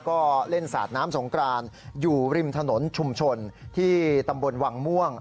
ก็เล่นสาดน้ำสงกรานอยู่ริมถนนชุมชนที่ตำบลวังม่วง